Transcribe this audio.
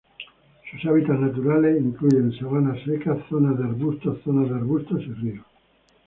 Sus hábitats naturales incluyen sabanas secas, zonas de arbustos, zonas de arbustos y ríos.